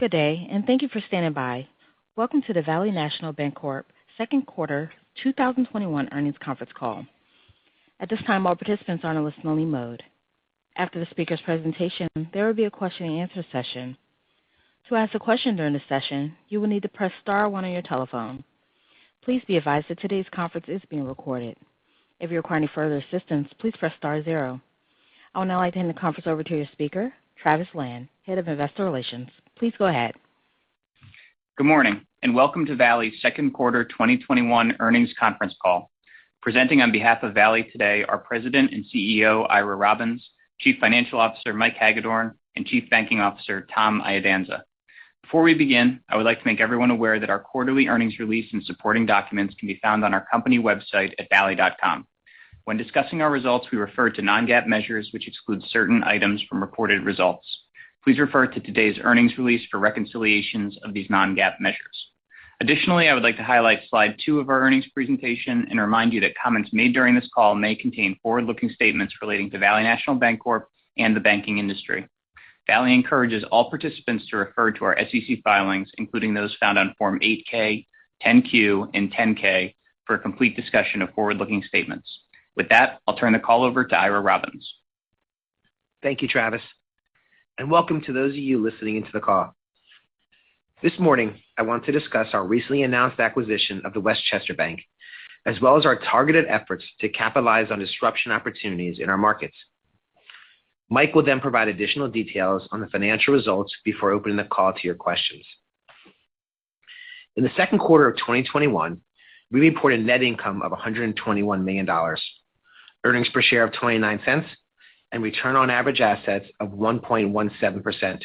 Good day, and thank you for standing by. Welcome to the Valley National Bancorp second quarter 2021 earnings conference call. At this time, all participants are in a listen only mode. After the speaker's presentation, there will be a question and answer session. To ask a question during the session, you will need to press star one on your telephone. Please be advised that today's conference is being recorded. If you require any further assistance, please press star zero. I would now like to hand the conference over to your speaker, Travis Lan, head of investor relations. Please go ahead. Good morning, and welcome to Valley's second quarter 2021 earnings conference call. Presenting on behalf of Valley today are President and CEO, Ira Robbins, Chief Financial Officer, Mike Hagedorn, and Chief Banking Officer, Tom Iadanza. Before we begin, I would like to make everyone aware that our quarterly earnings release and supporting documents can be found on our company website at valley.com. When discussing our results, we refer to non-GAAP measures, which excludes certain items from reported results. Please refer to today's earnings release for reconciliations of these non-GAAP measures. Additionally, I would like to highlight slide two of our earnings presentation and remind you that comments made during this call may contain forward-looking statements relating to Valley National Bancorp and the banking industry. Valley encourages all participants to refer to our SEC filings, including those found on Form 8-K, 10-Q, and 10-K for a complete discussion of forward-looking statements. With that, I'll turn the call over to Ira Robbins. Thank you, Travis. Welcome to those of you listening into the call. This morning, I want to discuss our recently announced acquisition of The Westchester Bank, as well as our targeted efforts to capitalize on disruption opportunities in our markets. Mike will provide additional details on the financial results before opening the call to your questions. In the second quarter of 2021, we reported net income of $121 million, earnings per share of $0.29, and return on average assets of 1.17%.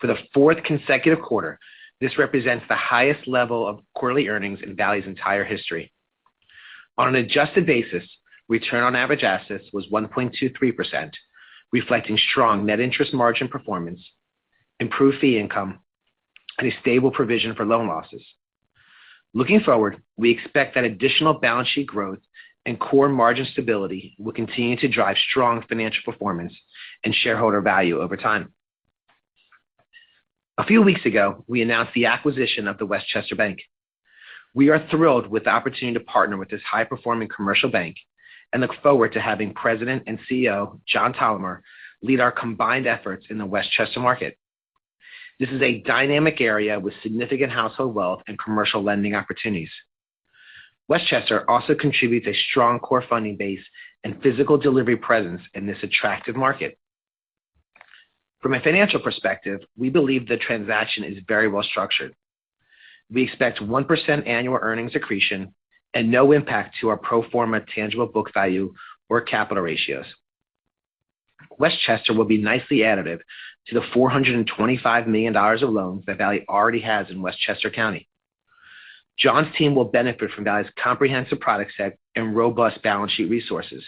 For the fourth consecutive quarter, this represents the highest level of quarterly earnings in Valley's entire history. On an adjusted basis, return on average assets was 1.23%, reflecting strong net interest margin performance, improved fee income, and a stable provision for loan losses. Looking forward, we expect that additional balance sheet growth and core margin stability will continue to drive strong financial performance and shareholder value over time. A few weeks ago, we announced the acquisition of The Westchester Bank. We are thrilled with the opportunity to partner with this high-performing commercial bank and look forward to having President and CEO, John Tolomer, lead our combined efforts in the Westchester market. This is a dynamic area with significant household wealth and commercial lending opportunities. Westchester also contributes a strong core funding base and physical delivery presence in this attractive market. From a financial perspective, we believe the transaction is very well structured. We expect 1% annual earnings accretion and no impact to our pro forma tangible book value or capital ratios. Westchester will be nicely additive to the $425 million of loans that Valley already has in Westchester County. John's team will benefit from Valley's comprehensive product set and robust balance sheet resources.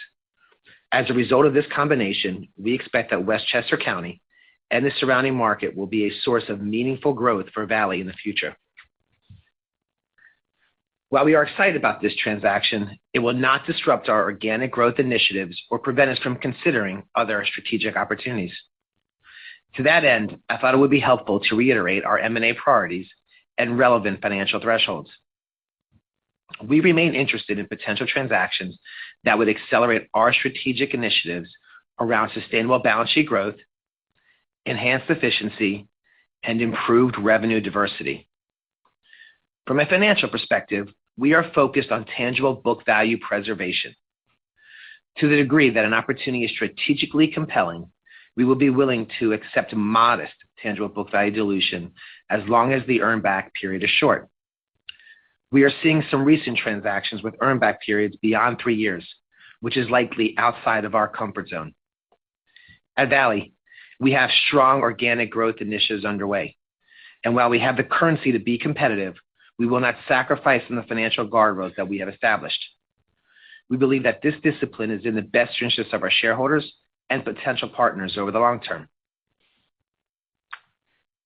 As a result of this combination, we expect that Westchester County and the surrounding market will be a source of meaningful growth for Valley in the future. While we are excited about this transaction, it will not disrupt our organic growth initiatives or prevent us from considering other strategic opportunities. To that end, I thought it would be helpful to reiterate our M&A priorities and relevant financial thresholds. We remain interested in potential transactions that would accelerate our strategic initiatives around sustainable balance sheet growth, enhanced efficiency, and improved revenue diversity. From a financial perspective, we are focused on tangible book value preservation. To the degree that an opportunity is strategically compelling, we will be willing to accept modest tangible book value dilution as long as the earnback period is short. We are seeing some recent transactions with earnback periods beyond three years, which is likely outside of our comfort zone. At Valley, we have strong organic growth initiatives underway, and while we have the currency to be competitive, we will not sacrifice on the financial guardrails that we have established. We believe that this discipline is in the best interest of our shareholders and potential partners over the long term.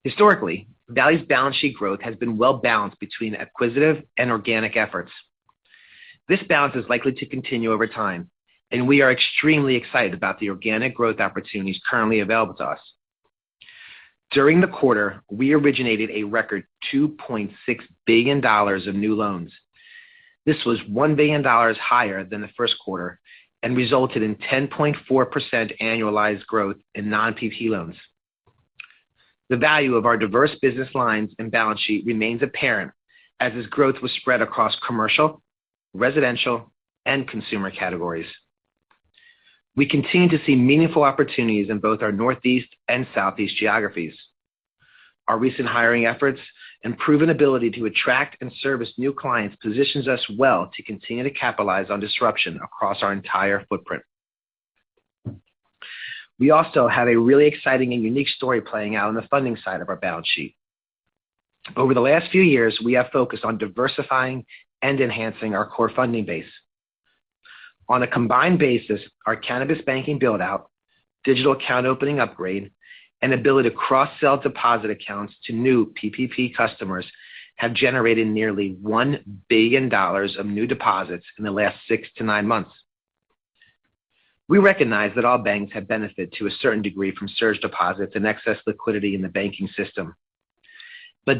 Historically, Valley's balance sheet growth has been well-balanced between acquisitive and organic efforts. We are extremely excited about the organic growth opportunities currently available to us. During the quarter, we originated a record $2.6 billion of new loans. This was $1 billion higher than the first quarter and resulted in 10.4% annualized growth in non-PPP loans. The value of our diverse business lines and balance sheet remains apparent as this growth was spread across commercial, residential, and consumer categories. We continue to see meaningful opportunities in both our Northeast and Southeast geographies. Our recent hiring efforts and proven ability to attract and service new clients positions us well to continue to capitalize on disruption across our entire footprint. We also have a really exciting and unique story playing out on the funding side of our balance sheet. Over the last few years, we have focused on diversifying and enhancing our core funding base. On a combined basis, our cannabis banking build-out, digital account opening upgrade, and ability to cross-sell deposit accounts to new PPP customers have generated nearly $1 billion of new deposits in the last six to nine months. We recognize that all banks have benefit to a certain degree from surge deposits and excess liquidity in the banking system.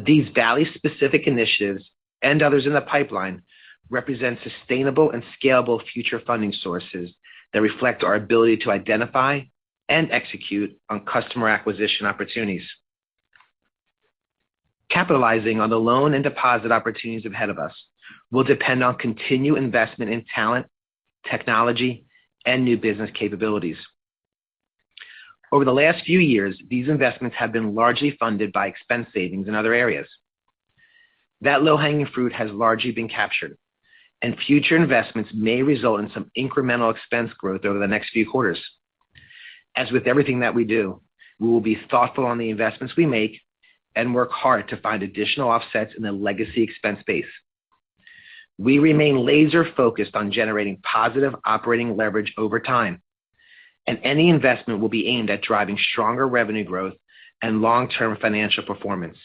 These Valley-specific initiatives and others in the pipeline represent sustainable and scalable future funding sources that reflect our ability to identify and execute on customer acquisition opportunities. Capitalizing on the loan and deposit opportunities ahead of us will depend on continued investment in talent, technology, and new business capabilities. Over the last few years, these investments have been largely funded by expense savings in other areas. That low-hanging fruit has largely been captured, and future investments may result in some incremental expense growth over the next few quarters. As with everything that we do, we will be thoughtful on the investments we make and work hard to find additional offsets in the legacy expense base. We remain laser-focused on generating positive operating leverage over time. Any investment will be aimed at driving stronger revenue growth and long-term financial performance.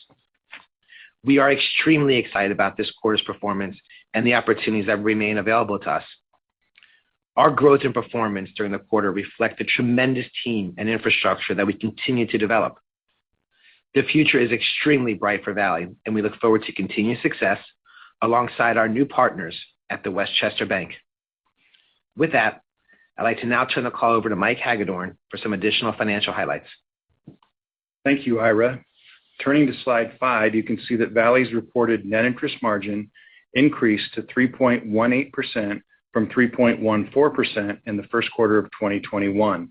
We are extremely excited about this quarter's performance and the opportunities that remain available to us. Our growth and performance during the quarter reflect the tremendous team and infrastructure that we continue to develop. The future is extremely bright for Valley, and we look forward to continued success alongside our new partners at The Westchester Bank. With that, I'd like to now turn the call over to Mike Hagedorn for some additional financial highlights. Thank you, Ira. Turning to slide five, you can see that Valley's reported net interest margin increased to 3.18% from 3.14% in the first quarter of 2021.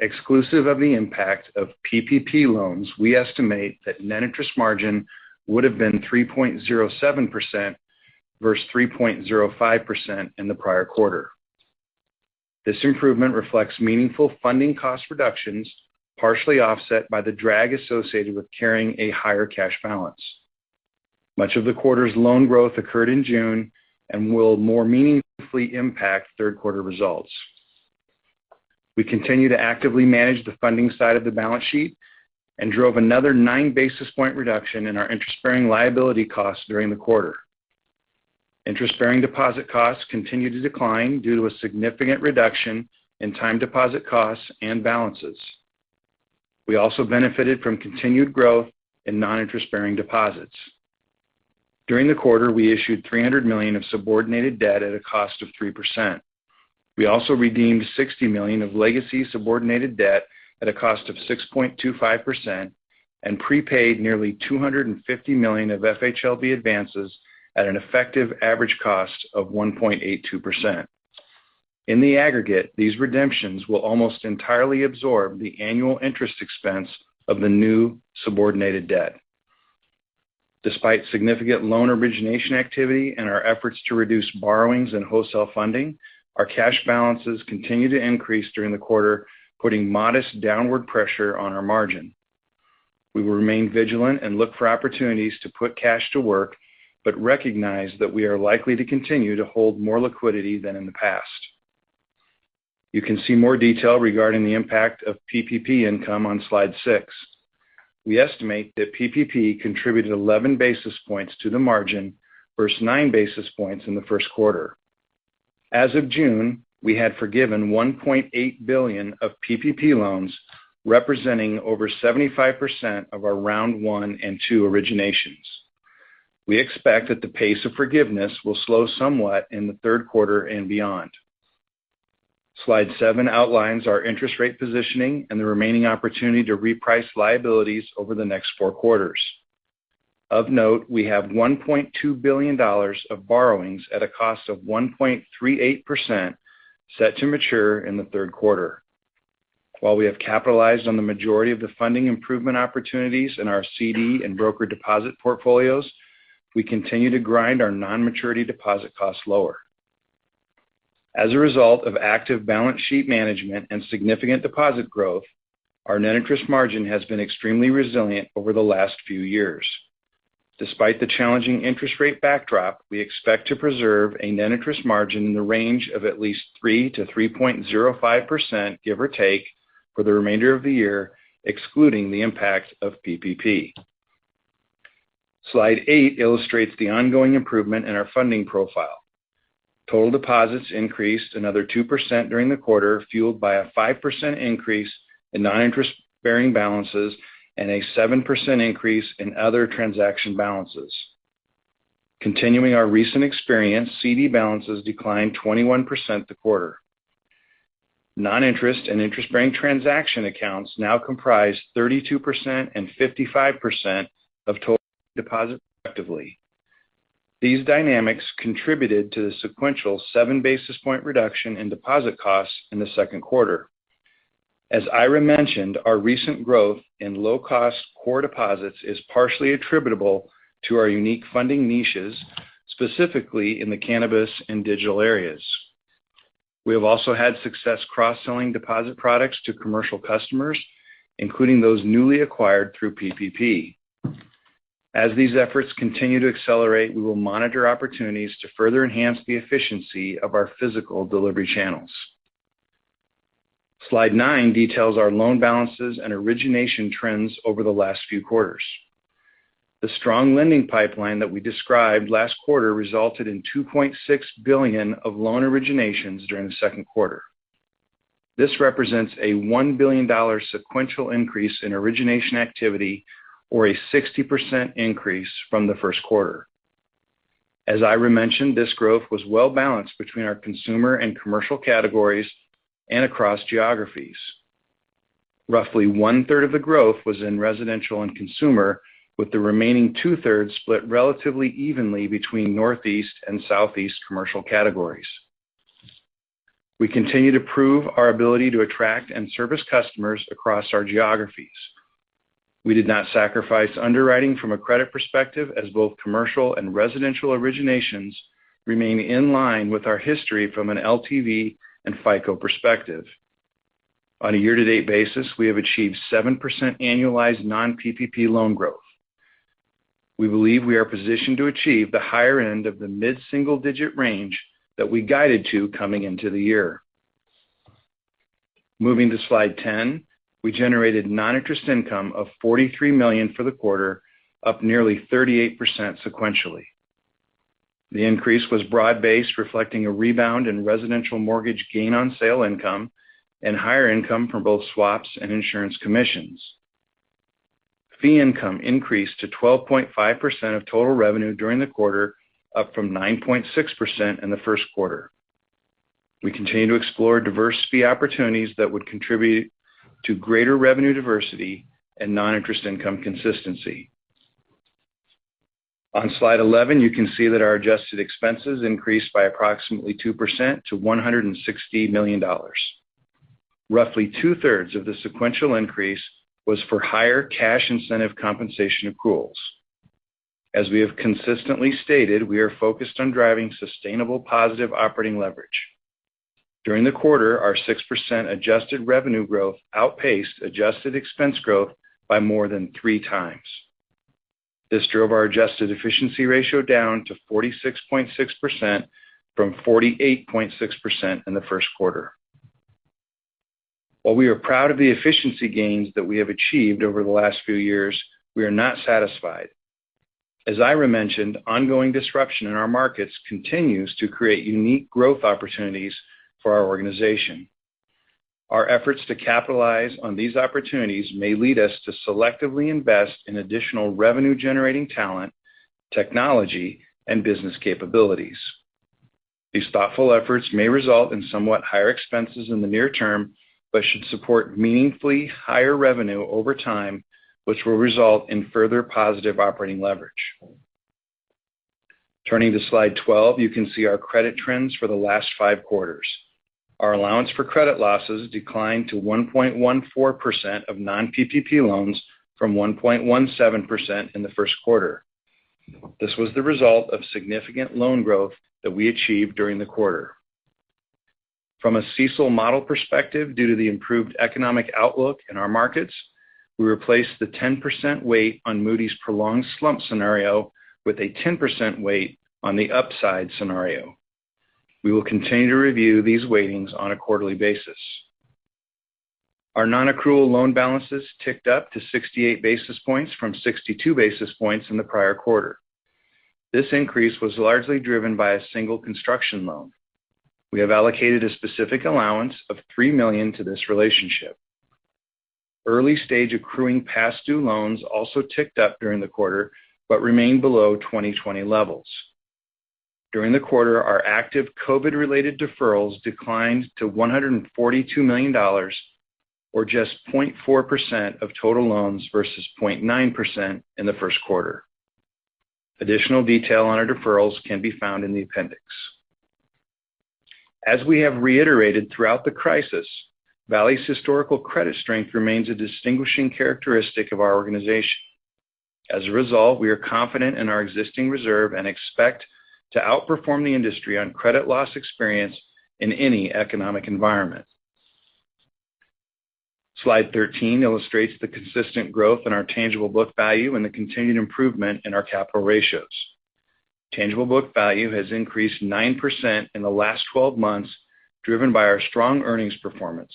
Exclusive of the impact of PPP loans, we estimate that net interest margin would have been 3.07% versus 3.05% in the prior quarter. This improvement reflects meaningful funding cost reductions, partially offset by the drag associated with carrying a higher cash balance. Much of the quarter's loan growth occurred in June and will more meaningfully impact third-quarter results. We continue to actively manage the funding side of the balance sheet and drove another nine basis points reduction in our interest-bearing liability costs during the quarter. Interest-bearing deposit costs continue to decline due to a significant reduction in time deposit costs and balances. We also benefited from continued growth in non-interest-bearing deposits. During the quarter, we issued $300 million of subordinated debt at a cost of 3%. We also redeemed $60 million of legacy subordinated debt at a cost of 6.25% and prepaid nearly $250 million of FHLB advances at an effective average cost of 1.82%. In the aggregate, these redemptions will almost entirely absorb the annual interest expense of the new subordinated debt. Despite significant loan origination activity and our efforts to reduce borrowings and wholesale funding, our cash balances continued to increase during the quarter, putting modest downward pressure on our margin. We will remain vigilant and look for opportunities to put cash to work, but recognize that we are likely to continue to hold more liquidity than in the past. You can see more detail regarding the impact of PPP income on slide six. We estimate that PPP contributed 11 basis points to the margin versus nine basis points in the first quarter. As of June, we had forgiven $1.8 billion of PPP loans, representing over 75% of our round one and two originations. We expect that the pace of forgiveness will slow somewhat in the third quarter and beyond. Slide seven outlines our interest rate positioning and the remaining opportunity to reprice liabilities over the next four quarters. Of note, we have $1.2 billion of borrowings at a cost of 1.38% set to mature in the third quarter. While we have capitalized on the majority of the funding improvement opportunities in our CD and brokered deposit portfolios, we continue to grind our non-maturity deposit costs lower. As a result of active balance sheet management and significant deposit growth, our net interest margin has been extremely resilient over the last few years. Despite the challenging interest rate backdrop, we expect to preserve a net interest margin in the range of at least 3% to 3.05%, give or take, for the remainder of the year, excluding the impact of PPP. Slide eight illustrates the ongoing improvement in our funding profile. Total deposits increased another 2% during the quarter, fueled by a 5% increase in non-interest-bearing balances and a 7% increase in other transaction balances. Continuing our recent experience, CD balances declined 21% the quarter. Non-interest and interest-bearing transaction accounts now comprise 32% and 55% of total deposits respectively. These dynamics contributed to the sequential seven basis point reduction in deposit costs in the second quarter. As Ira mentioned, our recent growth in low-cost core deposits is partially attributable to our unique funding niches, specifically in the cannabis and digital areas. We have also had success cross-selling deposit products to commercial customers, including those newly acquired through PPP. As these efforts continue to accelerate, we will monitor opportunities to further enhance the efficiency of our physical delivery channels. Slide nine details our loan balances and origination trends over the last few quarters. The strong lending pipeline that we described last quarter resulted in $2.6 billion of loan originations during the second quarter. This represents a $1 billion sequential increase in origination activity, or a 60% increase from the first quarter. As Ira mentioned, this growth was well-balanced between our consumer and commercial categories and across geographies. Roughly one-third of the growth was in residential and consumer, with the remaining two-thirds split relatively evenly between Northeast and Southeast commercial categories. We continue to prove our ability to attract and service customers across our geographies. We did not sacrifice underwriting from a credit perspective as both commercial and residential originations remain in line with our history from an LTV and FICO perspective. On a year-to-date basis, we have achieved 7% annualized non-PPP loan growth. We believe we are positioned to achieve the higher end of the mid-single-digit range that we guided to coming into the year. Moving to slide 10, we generated non-interest income of $43 million for the quarter, up nearly 38% sequentially. The increase was broad-based, reflecting a rebound in residential mortgage gain-on-sale income and higher income from both swaps and insurance commissions. Fee income increased to 12.5% of total revenue during the quarter, up from 9.6% in the first quarter. We continue to explore diverse fee opportunities that would contribute to greater revenue diversity and non-interest income consistency. On slide 11, you can see that our adjusted expenses increased by approximately 2% to $160 million. Roughly two-thirds of the sequential increase was for higher cash incentive compensation accruals. As we have consistently stated, we are focused on driving sustainable positive operating leverage. During the quarter, our 6% adjusted revenue growth outpaced adjusted expense growth by more than three times. This drove our adjusted efficiency ratio down to 46.6% from 48.6% in the first quarter. While we are proud of the efficiency gains that we have achieved over the last few years, we are not satisfied. As Ira mentioned, ongoing disruption in our markets continues to create unique growth opportunities for our organization. Our efforts to capitalize on these opportunities may lead us to selectively invest in additional revenue-generating talent, technology, and business capabilities. These thoughtful efforts may result in somewhat higher expenses in the near term, but should support meaningfully higher revenue over time, which will result in further positive operating leverage. Turning to slide 12, you can see our credit trends for the last five quarters. Our allowance for credit losses declined to 1.14% of non-PPP loans from 1.17% in the first quarter. This was the result of significant loan growth that we achieved during the quarter. From a CECL model perspective, due to the improved economic outlook in our markets, we replaced the 10% weight on Moody's prolonged slump scenario with a 10% weight on the upside scenario. We will continue to review these weightings on a quarterly basis. Our non-accrual loan balances ticked up to 68 basis points from 62 basis points in the prior quarter. This increase was largely driven by a single construction loan. We have allocated a specific allowance of $3 million to this relationship. Early-stage accruing past due loans also ticked up during the quarter, but remained below 2020 levels. During the quarter, our active COVID-related deferrals declined to $142 million, or just 0.4% of total loans versus 0.9% in the first quarter. Additional detail on our deferrals can be found in the Appendix. As we have reiterated throughout the crisis, Valley's historical credit strength remains a distinguishing characteristic of our organization. As a result, we are confident in our existing reserve and expect to outperform the industry on credit loss experience in any economic environment. Slide 13 illustrates the consistent growth in our tangible book value and the continued improvement in our capital ratios. Tangible book value has increased 9% in the last 12 months, driven by our strong earnings performance.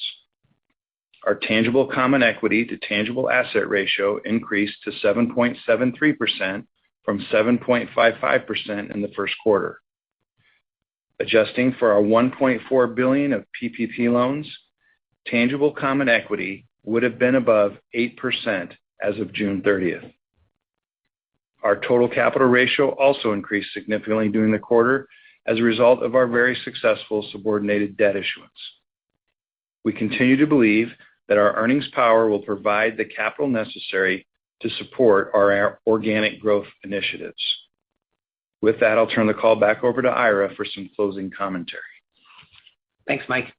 Our tangible common equity to tangible asset ratio increased to 7.73% from 7.55% in the first quarter. Adjusting for our $1.4 billion of PPP loans, tangible common equity would've been above 8% as of June 30. Our total capital ratio also increased significantly during the quarter as a result of our very successful subordinated debt issuance. We continue to believe that our earnings power will provide the capital necessary to support our organic growth initiatives. With that, I'll turn the call back over to Ira for some closing commentary. Thanks, Mike.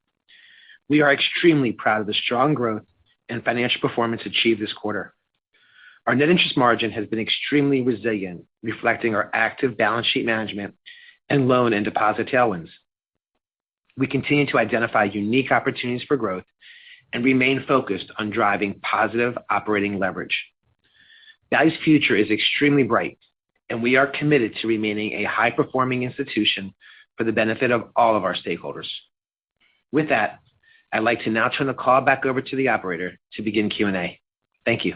We are extremely proud of the strong growth and financial performance achieved this quarter. Our net interest margin has been extremely resilient, reflecting our active balance sheet management and loan and deposit tailwinds. We continue to identify unique opportunities for growth and remain focused on driving positive operating leverage. Valley's future is extremely bright, and we are committed to remaining a high-performing institution for the benefit of all of our stakeholders. With that, I'd like to now turn the call back over to the operator to begin Q&A. Thank you.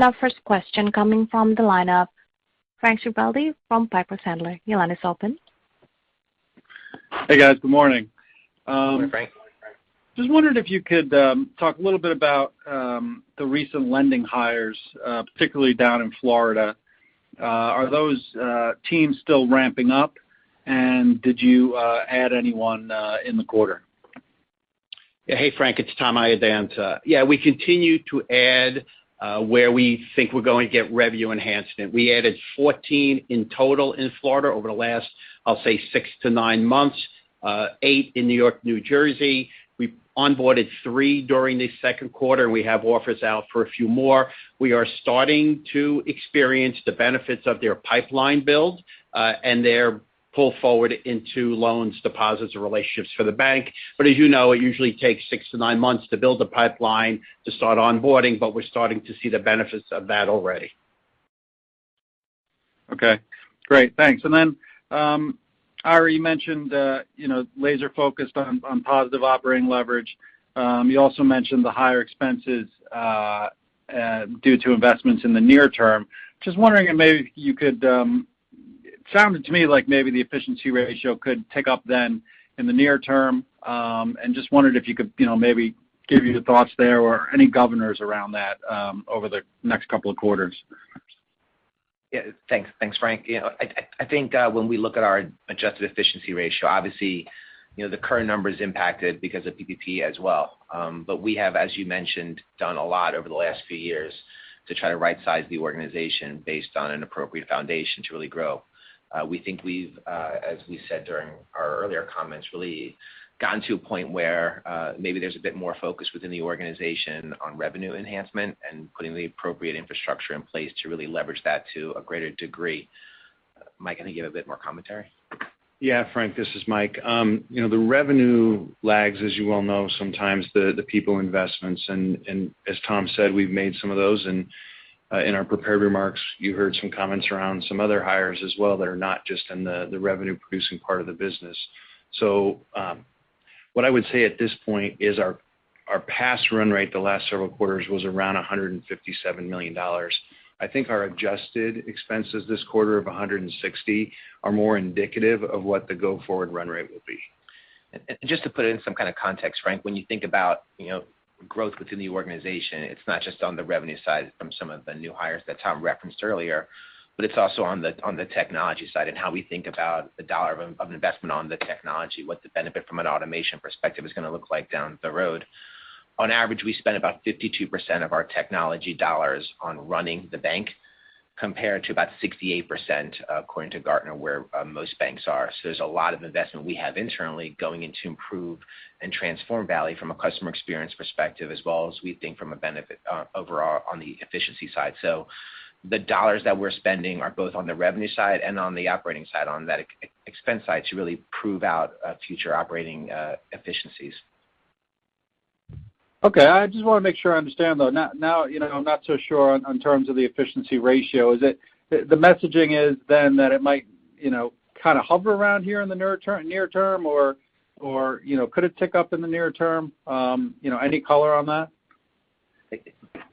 Our first question coming from the lineup, Frank Schiraldi from Piper Sandler. Your line is open. Hey, guys. Good morning. Good morning, Frank. Just wondering if you could talk a little bit about the recent lending hires, particularly down in Florida. Are those teams still ramping up, and did you add anyone in the quarter? Hey, Frank. It's Thomas Iadanza. Yeah, we continue to add where we think we're going to get revenue enhancement. We added 14 in total in Florida over the last, I'll say, six to nine months. eight in New York, New Jersey. We onboarded three during the second quarter. We have offers out for a few more. We are starting to experience the benefits of their pipeline build, and their pull forward into loans, deposits, or relationships for the bank. As you know, it usually takes six to nine months to build a pipeline to start onboarding, but we're starting to see the benefits of that already. Okay, great. Thanks. Ira, you mentioned laser-focused on positive operating leverage. You also mentioned the higher expenses due to investments in the near term. It sounded to me like maybe the efficiency ratio could tick up then in the near term. Just wondered if you could maybe give your thoughts there or any governors around that over the next couple of quarters. Yeah. Thanks, Frank. I think when we look at our adjusted efficiency ratio, obviously, the current number is impacted because of PPP as well. We have, as you mentioned, done a lot over the last few years to try to right-size the organization based on an appropriate foundation to really grow. We think we've, as we said during our earlier comments, really gotten to a point where maybe there's a bit more focus within the organization on revenue enhancement and putting the appropriate infrastructure in place to really leverage that to a greater degree. Mike, want to give a bit more commentary? Yeah, Frank. This is Mike. The revenue lags, as you well know, sometimes the people investments. As Tom said, we've made some of those. In our prepared remarks, you heard some comments around some other hires as well that are not just in the revenue-producing part of the business. What I would say at this point is our past run rate the last several quarters was around $157 million. I think our adjusted expenses this quarter of $160 are more indicative of what the go-forward run rate will be. Just to put it in some kind of context, Frank, when you think about growth within the organization, it's not just on the revenue side from some of the new hires that Tom referenced earlier, but it's also on the technology side and how we think about the dollar of investment on the technology, what the benefit from an automation perspective is going to look like down the road. On average, we spend about 52% of our technology dollars on running the bank, compared to about 68%, according to Gartner, where most banks are. There's a lot of investment we have internally going in to improve and transform Valley from a customer experience perspective, as well as we think from a benefit overall on the efficiency side. The dollars that we're spending are both on the revenue side and on the operating side on that expense side to really prove out future operating efficiencies. Okay. I just want to make sure I understand, though. Now I'm not so sure in terms of the efficiency ratio. The messaging is then that it might kind of hover around here in the near term, or could it tick up in the near term? Any color on that?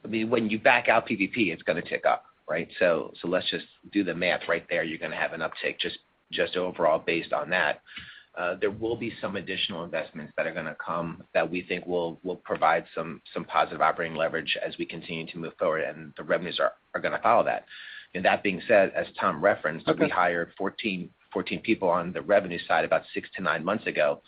When you back out PPP, it's going to tick up, right? Let's just do the math right there. You're going to have an uptake just overall based on that. There will be some additional investments that are going to come that we think will provide some positive operating leverage as we continue to move forward, and the revenues are going to follow that. That being said, as Thomas referenced. Okay We hired 14 people on the revenue side about six to nine months ago.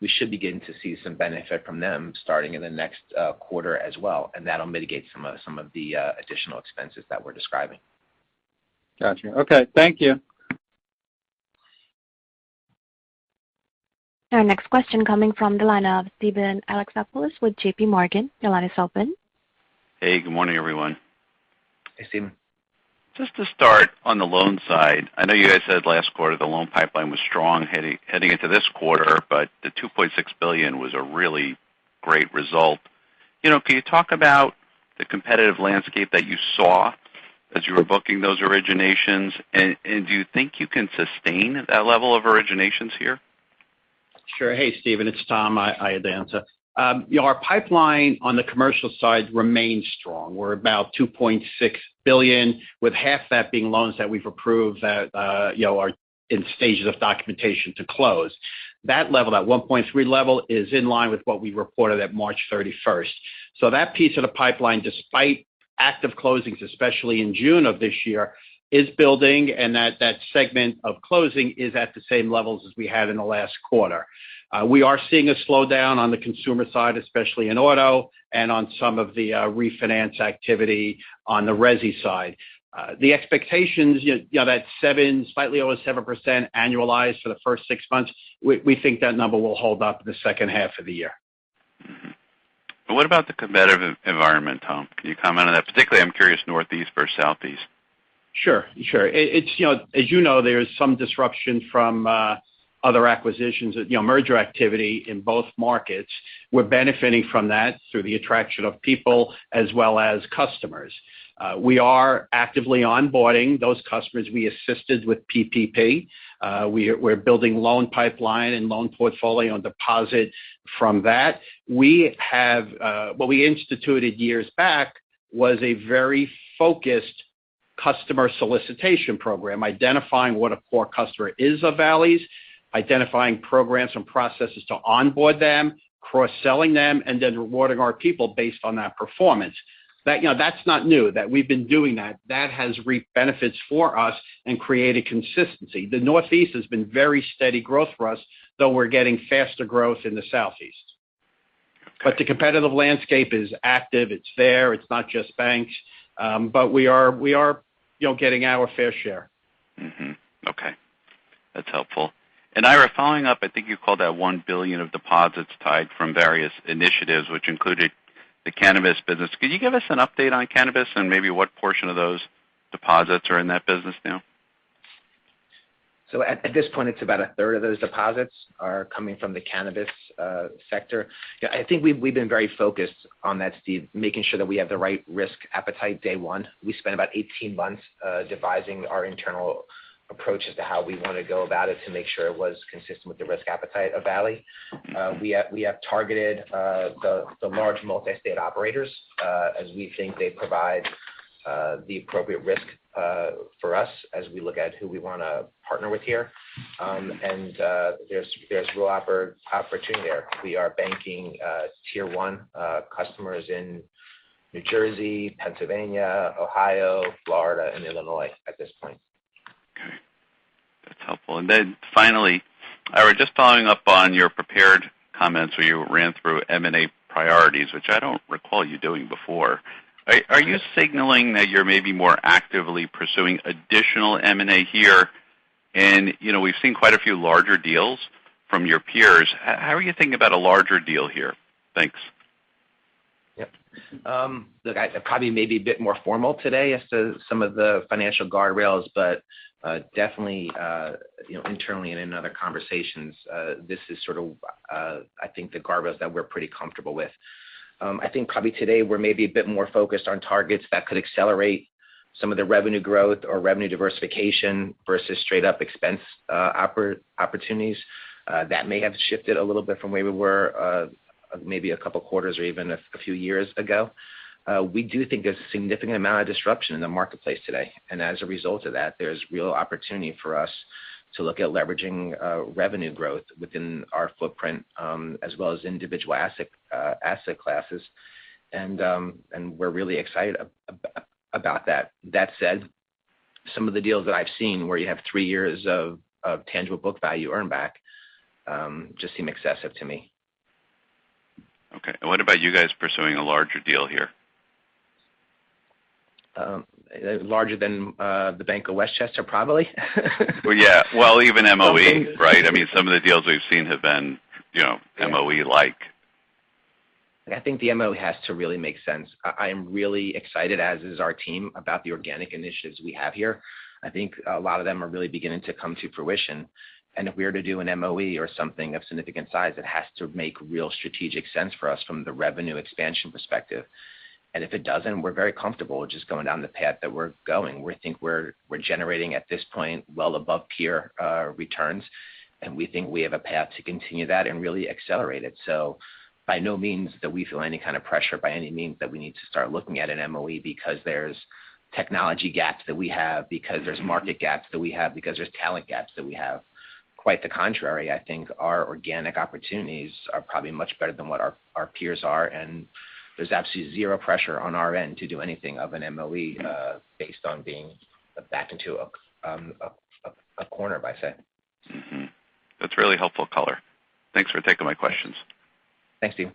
We should begin to see some benefit from them starting in the next quarter as well, and that'll mitigate some of the additional expenses that we're describing. Got you. Okay. Thank you. Our next question coming from the line of Steven Alexopoulos with JPMorgan. Your line is open. Hey, good morning, everyone. Hey, Steven. Just to start on the loans side, I know you guys said last quarter the loan pipeline was strong heading into this quarter. Sure The $2.6 billion was a really great result. Can you talk about the competitive landscape that you saw as you were booking those originations, and do you think you can sustain that level of originations here? Sure. Hey, Steven Alexopoulos. It's Thomas Iadanza. Our pipeline on the commercial side remains strong. We're about $2.6 billion, with half that being loans that we've approved that are in stages of documentation to close. That level, that $1.3 billion level, is in line with what we reported at March 31. That piece of the pipeline, despite active closings, especially in June of this year, is building, and that segment of closing is at the same levels as we had in the last quarter. We are seeing a slowdown on the consumer side, especially in auto and on some of the refinance activity on the resi side. The expectations, that slightly over 7% annualized for the first six months, we think that number will hold up in the second half of the year. What about the competitive environment, Thomas? Can you comment on that? Particularly, I'm curious, Northeast versus Southeast. Sure. As you know, there's some disruption from other acquisitions, merger activity in both markets. We're benefiting from that through the attraction of people as well as customers. We are actively onboarding those customers we assisted with PPP. We're building loan pipeline and loan portfolio and deposits from that. What we instituted years back was a very focused customer solicitation program, identifying what a core customer is of Valley's, identifying programs and processes to onboard them, cross-selling them, and then rewarding our people based on that performance. That's not new. We've been doing that. That has reaped benefits for us and created consistency. The Northeast has been very steady growth for us, though we're getting faster growth in the Southeast. The competitive landscape is active. It's there. It's not just banks. We are getting our fair share. Okay. That's helpful. Ira, following up, I think you called that $1 billion of deposits tied from various initiatives, which included the cannabis business. Could you give us an update on cannabis and maybe what portion of those deposits are in that business now? At this point, it's about a third of those deposits are coming from the cannabis sector. I think we've been very focused on that, Steve, making sure that we have the right risk appetite day one. We spent about 18 months devising our internal approach as to how we want to go about it to make sure it was consistent with the risk appetite of Valley. We have targeted the large multi-state operators, as we think they provide the appropriate risk for us as we look at who we want to partner with here. There's real opportunity there. We are banking tier one customers in New Jersey, Pennsylvania, Ohio, Florida, and Illinois at this point. Okay. That's helpful. Finally, Ira, just following up on your prepared comments where you ran through M&A priorities, which I don't recall you doing before. Are you signaling that you're maybe more actively pursuing additional M&A here? We've seen quite a few larger deals from your peers. How are you thinking about a larger deal here? Thanks. Yep. Look, I probably may be a bit more formal today as to some of the financial guardrails, but definitely internally and in other conversations, this is sort of I think the guardrails that we're pretty comfortable with. I think probably today we're maybe a bit more focused on targets that could accelerate some of the revenue growth or revenue diversification versus straight up expense opportunities. That may have shifted a little bit from where we were maybe a couple quarters or even a few years ago. We do think there's a significant amount of disruption in the marketplace today. As a result of that, there's real opportunity for us to look at leveraging revenue growth within our footprint, as well as individual asset classes. We're really excited about that. That said, some of the deals that I've seen where you have three years of tangible book value earnback just seem excessive to me. Okay. What about you guys pursuing a larger deal here? Larger than the Westchester Bank, probably? Well, yeah. Well, even MOE, right? I mean, some of the deals we've seen have been MOE-like. I think the MOE has to really make sense. I am really excited, as is our team, about the organic initiatives we have here. I think a lot of them are really beginning to come to fruition. If we are to do an MOE or something of significant size, it has to make real strategic sense for us from the revenue expansion perspective. If it doesn't, we're very comfortable with just going down the path that we're going. We think we're generating at this point well above peer returns, and we think we have a path to continue that and really accelerate it. By no means do we feel any kind of pressure by any means that we need to start looking at an MOE because there's technology gaps that we have, because there's market gaps that we have, because there's talent gaps that we have. Quite the contrary, I think our organic opportunities are probably much better than what our peers are, and there's absolutely zero pressure on our end to do anything of an MOE based on being backed into a corner, if I said. That's really helpful Ira. Thanks for taking my questions. Thanks, Steve.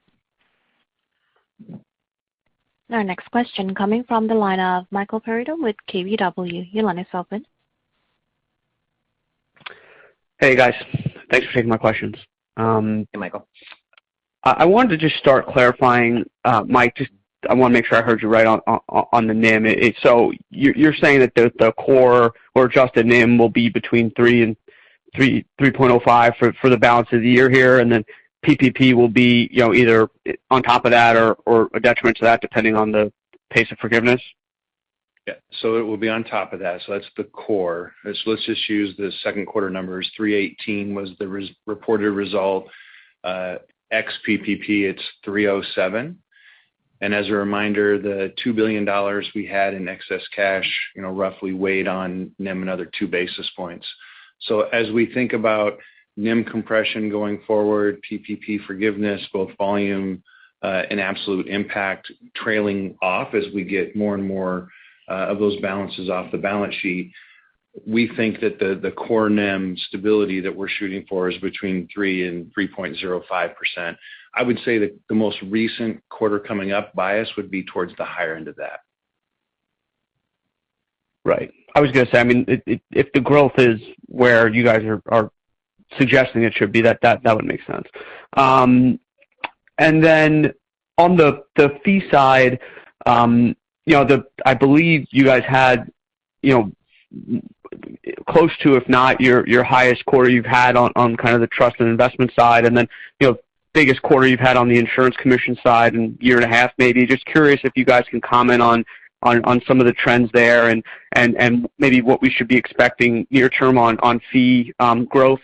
Our next question coming from the line of Michael Perito with KBW. Your line is open. Hey, guys. Thanks for taking my questions. Hey, Michael. I wanted to just start clarifying, Mike, just I want to make sure I heard you right on the NIM. You're saying that the core or adjusted NIM will be between 3% and 3.05% for the balance of the year here, and then PPP will be either on top of that or a detriment to that, depending on the pace of forgiveness? Yeah. It will be on top of that. That's the core. Let's just use the second quarter numbers. 318 was the reported result. Ex-PPP, it's 307. As a reminder, the $2 billion we had in excess cash roughly weighed on NIM another two basis points. As we think about NIM compression going forward, PPP forgiveness, both volume and absolute impact trailing off as we get more and more of those balances off the balance sheet, we think that the core NIM stability that we're shooting for is between 3% and 3.05%. I would say that the most recent quarter coming up bias would be towards the higher end of that. Right. I was going to say, if the growth is where you guys are suggesting it should be, that would make sense. On the fee side, I believe you guys had close to, if not your highest quarter you've had on kind of the trust and investment side, and then biggest quarter you've had on the insurance commission side in a year and a half, maybe. Just curious if you guys can comment on some of the trends there and maybe what we should be expecting near-term on fee growth.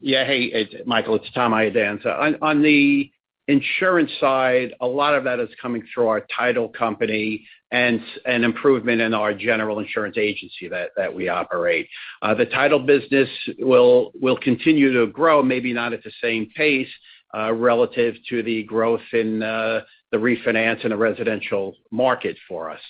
Hey, Michael Perito, it's Thomas Iadanza. On the insurance side, a lot of that is coming through our title company and an improvement in our general insurance agency that we operate. The title business will continue to grow, maybe not at the same pace relative to the growth in the refinance and the residential market for us,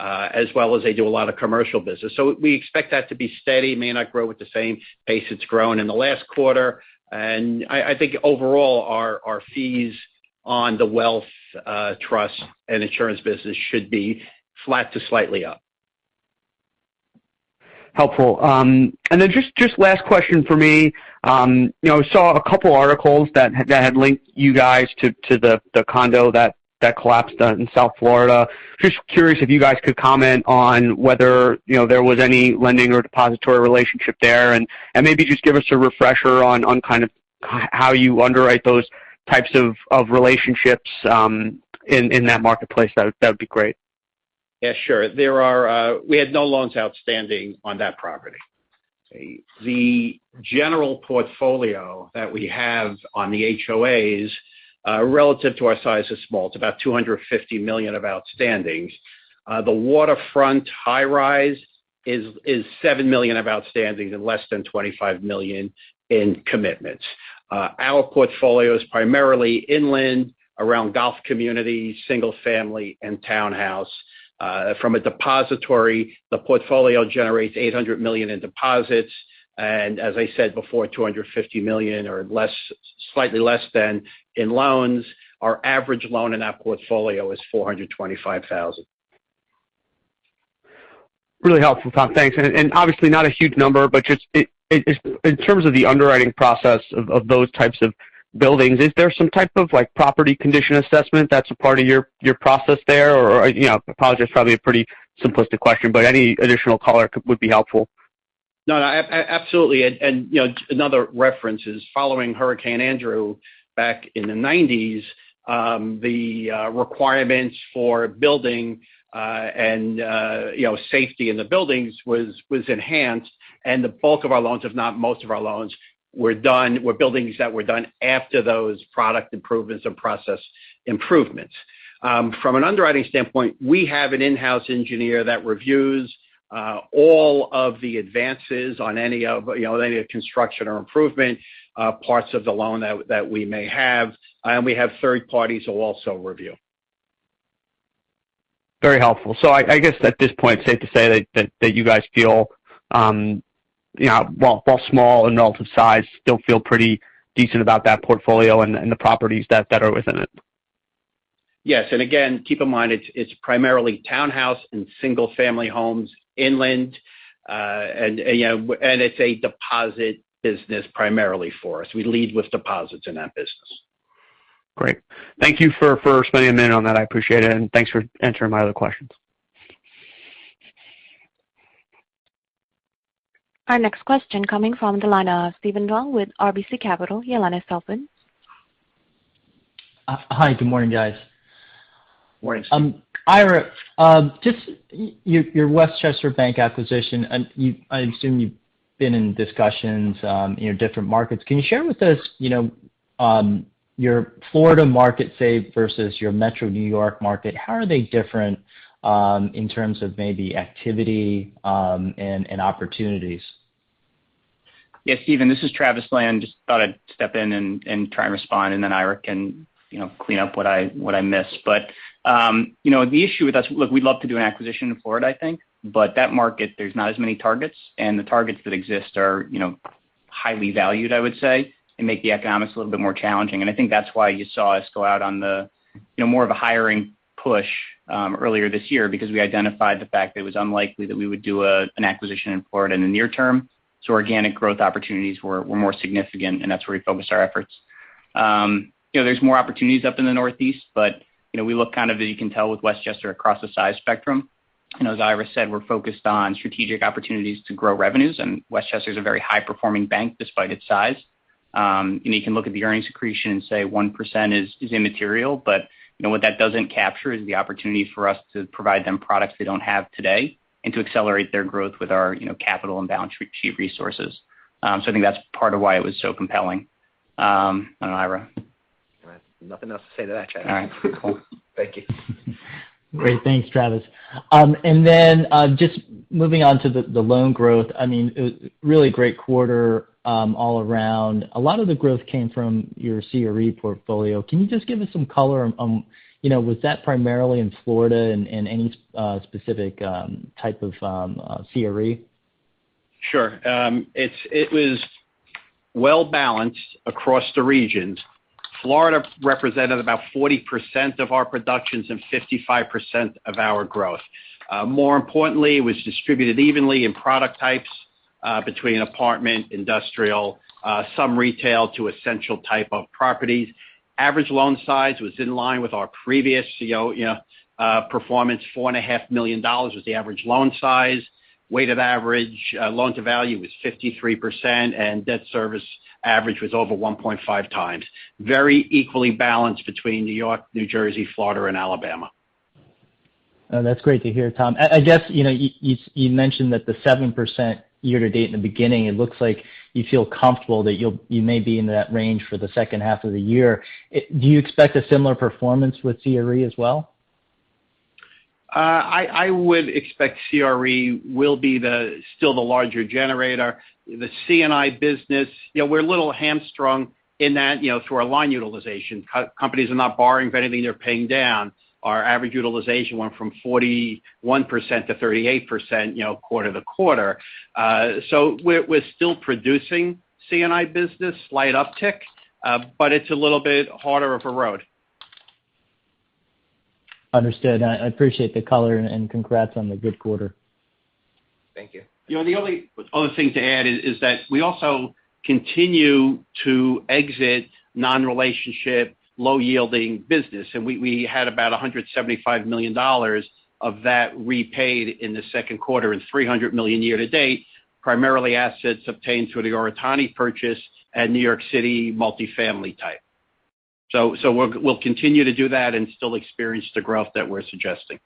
as well as they do a lot of commercial business. We expect that to be steady, may not grow at the same pace it's grown in the last quarter. I think overall, our fees on the wealth trust and insurance business should be flat to slightly up. Helpful. Just last question from me. Saw a couple articles that had linked you guys to the condo that collapsed in South Florida. Just curious if you guys could comment on whether there was any lending or depository relationship there, and maybe just give us a refresher on kind of how you underwrite those types of relationships in that marketplace, that would be great. Yeah, sure. We had no loans outstanding on that property. The general portfolio that we have on the HOAs, relative to our size, is small. It's about $250 million of outstandings. The waterfront high rise is $7 million of outstandings and less than $25 million in commitments. Our portfolio is primarily inland, around golf communities, single family, and townhouse. From a depository, the portfolio generates $800 million in deposits, and as I said before, $250 million or slightly less than in loans. Our average loan in that portfolio is $425,000. Really helpful, Tom. Thanks. Obviously not a huge number, but just in terms of the underwriting process of those types of buildings, is there some type of property condition assessment that's a part of your process there? I apologize, probably a pretty simplistic question, but any additional color would be helpful. No, absolutely. Another reference is following Hurricane Andrew back in the '90s, the requirements for building and safety in the buildings was enhanced, and the bulk of our loans, if not most of our loans, were buildings that were done after those product improvements and process improvements. From an underwriting standpoint, we have an in-house engineer that reviews all of the advances on any of construction or improvement parts of the loan that we may have. We have third parties who also review. Very helpful. I guess at this point, it's safe to say that you guys feel while small in relative size, still feel pretty decent about that portfolio and the properties that are within it. Yes. Again, keep in mind, it's primarily townhouse and single-family homes inland. It's a deposit business primarily for us. We lead with deposits in that business. Great. Thank you for spending a minute on that. I appreciate it, and thanks for answering my other questions. Our next question coming from the line of Stephen Dunn with RBC Capital. Your line is open. Hi. Good morning, guys. Morning, Stephen. Ira, just your Westchester Bank acquisition, I assume you've been in discussions, different markets. Can you share with us, your Florida market, say, versus your Metro New York market, how are they different in terms of maybe activity and opportunities? Yes, Stephen, this is Travis Lan. Just thought I'd step in and try and respond, and then Ira can clean up what I miss. The issue with us, look, we'd love to do an acquisition in Florida, I think, but that market, there's not as many targets, and the targets that exist are highly valued, I would say, and make the economics a little bit more challenging. I think that's why you saw us go out on the more of a hiring push earlier this year because we identified the fact that it was unlikely that we would do an acquisition in Florida in the near term. Organic growth opportunities were more significant, and that's where we focused our efforts. There's more opportunities up in the Northeast, but we look kind of, as you can tell with Westchester, across the size spectrum. As Ira said, we're focused on strategic opportunities to grow revenues, and Westchester is a very high-performing bank despite its size. You can look at the earnings accretion and say 1% is immaterial, what that doesn't capture is the opportunity for us to provide them products they don't have today and to accelerate their growth with our capital and balance sheet resources. I think that's part of why it was so compelling. I don't know, Ira. Nothing else to say to that, Travis. All right, cool. Thank you. Great. Thanks, Travis. Just moving on to the loan growth. It was really a great quarter all around. A lot of the growth came from your CRE portfolio. Can you just give us some color on, was that primarily in Florida and any specific type of CRE? Sure. It was well-balanced across the regions. Florida represented about 40% of our productions and 55% of our growth. More importantly, it was distributed evenly in product types between apartment, industrial, some retail to essential type of properties. Average loan size was in line with our previous CRE performance. $4.5 million was the average loan size. Weighted average loan to value was 53%. Debt service average was over 1.5 times. Very equally balanced between New York, New Jersey, Florida, and Alabama. That's great to hear, Thomas. I guess, you mentioned that the 7% year to date in the beginning, it looks like you feel comfortable that you may be in that range for the second half of the year. Do you expect a similar performance with CRE as well? I would expect CRE will be still the larger generator. The C&I business, we're a little hamstrung in that through our line utilization. Companies are not borrowing; if anything, they're paying down. Our average utilization went from 41% to 38%, quarter to quarter. We're still producing C&I business, slight uptick, but it's a little bit harder of a road. Understood. I appreciate the color, and congrats on the good quarter. Thank you. The only other thing to add is that we also continue to exit non-relationship, low-yielding business. We had about $175 million of that repaid in the second quarter and $300 million year to date, primarily assets obtained through the Oritani purchase and New York City multifamily type. We'll continue to do that and still experience the growth that we're suggesting.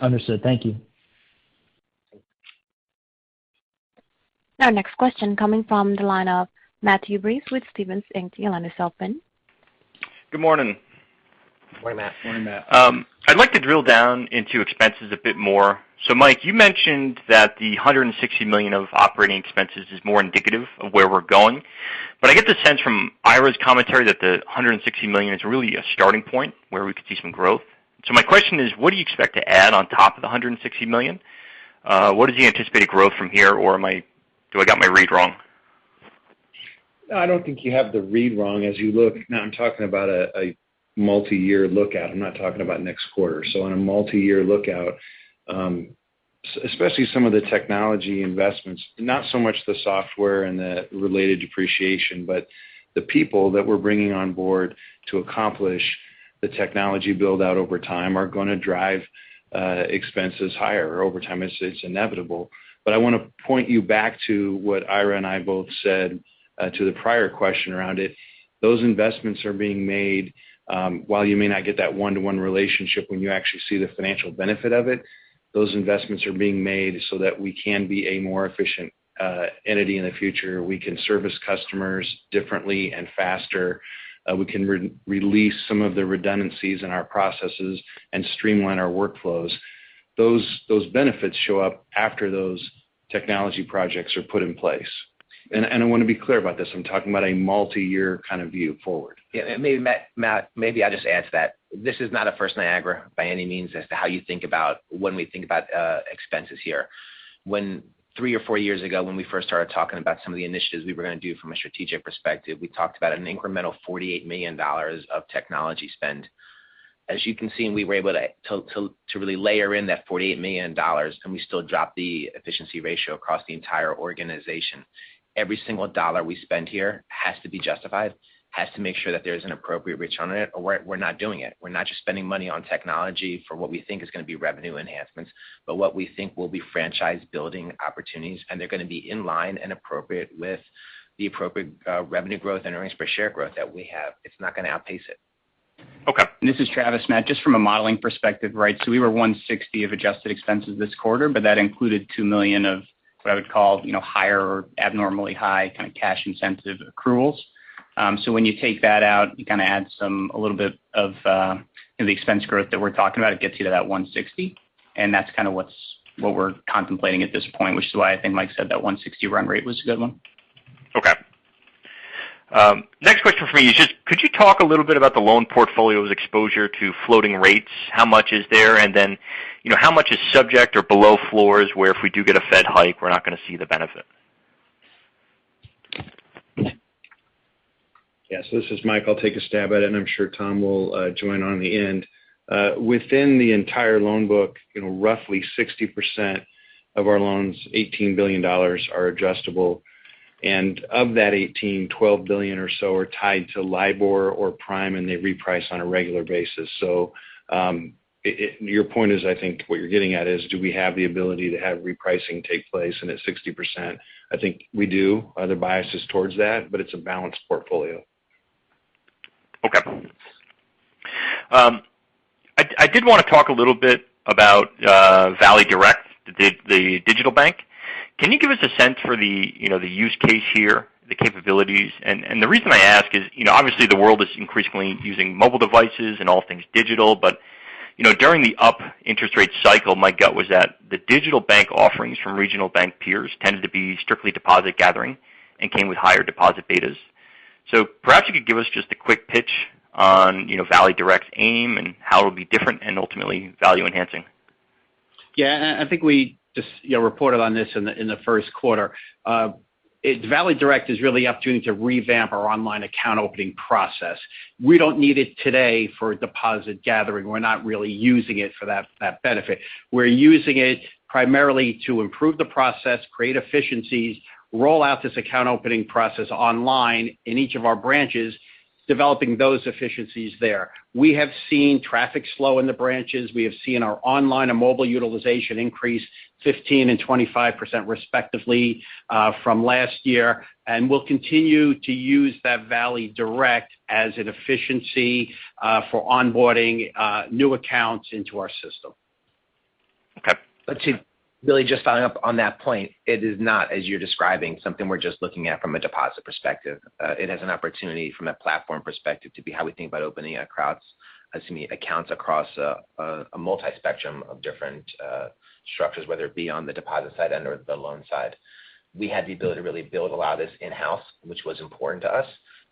Understood. Thank you. Our next question coming from the line of Matthew Breese with Stephens Inc. Your line is open. Good morning. Morning, Matt. Morning, Matt. Mike, you mentioned that the $160 million of operating expenses is more indicative of where we're going. I get the sense from Ira's commentary that the $160 million is really a starting point where we could see some growth. My question is, what do you expect to add on top of the $160 million? What is the anticipated growth from here, or do I got my read wrong? I don't think you have the read wrong. As you look, now I'm talking about a multi-year lookout. I'm not talking about next quarter. On a multi-year lookout, especially some of the technology investments, not so much the software and the related depreciation, but the people that we're bringing on board to accomplish the technology build-out over time are going to drive expenses higher over time. It's inevitable. I want to point you back to what Ira and I both said to the prior question around it. Those investments are being made. While you may not get that one-to-one relationship when you actually see the financial benefit of it, those investments are being made so that we can be a more efficient entity in the future. We can service customers differently and faster. We can release some of the redundancies in our processes and streamline our workflows. Those benefits show up after those technology projects are put in place. I want to be clear about this. I'm talking about a multi-year kind of view forward. Yeah. Matt, maybe I'll just add to that. This is not a First Niagara by any means as to how you think about when we think about expenses here. Three or four years ago, when we first started talking about some of the initiatives we were going to do from a strategic perspective, we talked about an incremental $48 million of technology spend. As you can see, we were able to really layer in that $48 million, and we still dropped the efficiency ratio across the entire organization. Every single dollar we spend here has to be justified, has to make sure that there's an appropriate return on it, or we're not doing it. We're not just spending money on technology for what we think is going to be revenue enhancements, but what we think will be franchise-building opportunities, and they're going to be in line and appropriate with the appropriate revenue growth and earnings per share growth that we have. It's not going to outpace it. Okay. This is Travis. Matt, just from a modeling perspective, right? We were $160 million of adjusted expenses this quarter, but that included $2 million of what I would call higher or abnormally high kind of cash incentive accruals. When you take that out, you kind of add a little bit of the expense growth that we're talking about. It gets you to that $160 million, and that's kind of what we're contemplating at this point, which is why I think Mike said that $160 million run rate was a good one. Okay. Next question from me is just could you talk a little bit about the loan portfolio's exposure to floating rates? How much is there, and then how much is subject or below floors where if we do get a Fed hike, we're not going to see the benefit? Yes, this is Mike. I'll take a stab at it, and I'm sure Tom will join on the end. Within the entire loan book, roughly 60% of our loans, $18 billion, are adjustable. Of that 18, $12 billion or so are tied to LIBOR or prime, and they reprice on a regular basis. Your point is, I think what you're getting at is, do we have the ability to have repricing take place? At 60%, I think we do. The bias is towards that, but it's a balanced portfolio. Okay. I did want to talk a little bit about Valley Direct, the digital bank. Can you give us a sense for the use case here, the capabilities? The reason I ask is obviously the world is increasingly using mobile devices and all things digital, but during the up interest rate cycle, my gut was that the digital bank offerings from regional bank peers tended to be strictly deposit gathering and came with higher deposit betas. Perhaps you could give us just a quick pitch on Valley Direct's aim and how it'll be different and ultimately value-enhancing. Yeah, I think we just reported on this in the first quarter. Valley Direct is really an opportunity to revamp our online account opening process. We don't need it today for deposit gathering. We're not really using it for that benefit. We're using it primarily to improve the process, create efficiencies, roll out this account opening process online in each of our branches, developing those efficiencies there. We have seen traffic slow in the branches. We have seen our online and mobile utilization increase 15% and 25% respectively from last year. We'll continue to use that Valley Direct as an efficiency for onboarding new accounts into our system. Okay. To really just follow up on that point, it is not, as you're describing, something we're just looking at from a deposit perspective. It is an opportunity from a platform perspective to be how we think about opening accounts across a multi-spectrum of different structures, whether it be on the deposit side and/or the loan side. We had the ability to really build a lot of this in-house, which was important to us.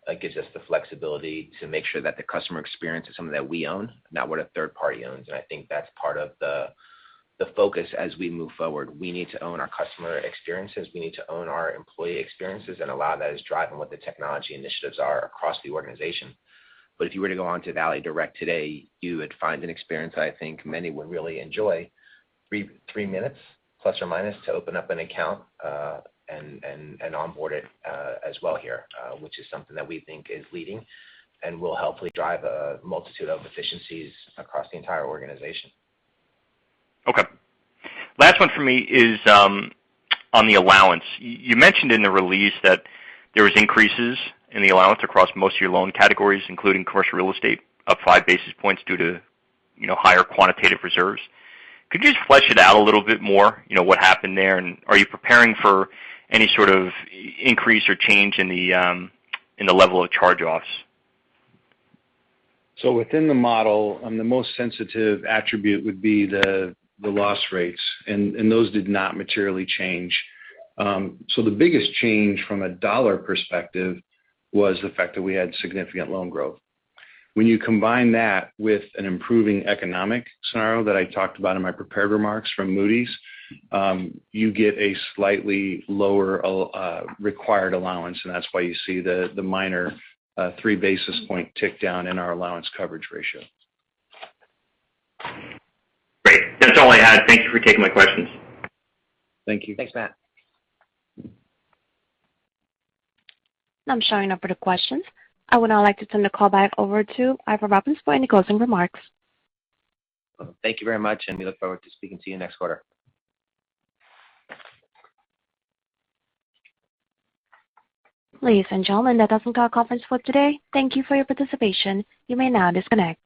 That gives us the flexibility to make sure that the customer experience is something that we own, not what a third party owns. I think that's part of the focus as we move forward. We need to own our customer experiences. We need to own our employee experiences. A lot of that is driving what the technology initiatives are across the organization. If you were to go onto Valley Direct today, you would find an experience I think many would really enjoy. Three minutes, plus or minus, to open up an account and onboard it as well here, which is something that we think is leading and will help drive a multitude of efficiencies across the entire organization. Okay. Last one from me is on the allowance. You mentioned in the release that there was increases in the allowance across most of your loan categories, including commercial real estate, up five basis points due to higher quantitative reserves. Could you just flesh it out a little bit more, what happened there? Are you preparing for any sort of increase or change in the level of charge-offs? Within the model, the most sensitive attribute would be the loss rates, and those did not materially change. The biggest change from a $ perspective was the fact that we had significant loan growth. When you combine that with an improving economic scenario that I talked about in my prepared remarks from Moody's, you get a slightly lower required allowance, and that's why you see the minor three basis points tick down in our allowance coverage ratio. Great. That's all I had. Thank you for taking my questions. Thank you. Thanks, Matthew. I'm showing no further questions. I would now like to turn the call back over to Ira Robbins for any closing remarks. Thank you very much. We look forward to speaking to you next quarter. Ladies and gentlemen, that does conclude our conference for today. Thank you for your participation. You may now disconnect.